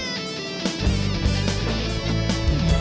tapi daftar internasional tersenama lah